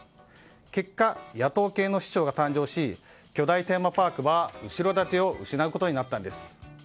結果、野党系の市長が誕生し巨大テーマパークは後ろ盾を失うことになったんです。